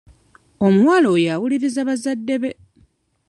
Omuwala oyo awuliriza bazadde be.